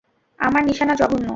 আমার নিশানা জঘন্য।